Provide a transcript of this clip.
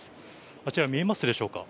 あちら見えますでしょうか。